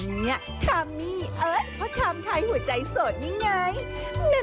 เนี่ยทำมี่เอิ๊ยเพราะทำไทยหัวใจสดนี่ไง